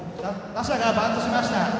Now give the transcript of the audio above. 打者がバントしました。